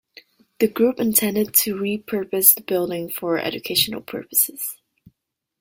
The group intended to re-purpose the building for educational purposes.